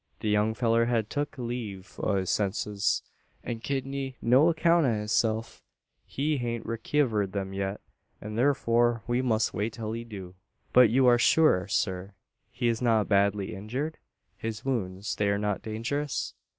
The young fellur had tuk leeve o' his senses, an ked gie no account o' hisself. He hain't rekivered them yet; an', thurfore, we must wait till he do." "But you are sure, sir, he is not badly injured? His wounds they are not dangerous?"